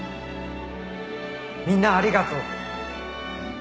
「みんなありがとう」